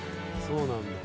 そうなんだ。